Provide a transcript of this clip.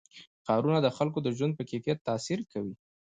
ښارونه د خلکو د ژوند په کیفیت تاثیر کوي.